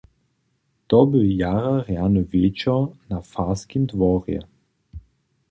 To bě jara rjany wječor na farskim dworje.